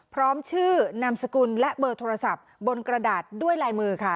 พร้อมชื่อนามสกุลและเบอร์โทรศัพท์บนกระดาษด้วยลายมือค่ะ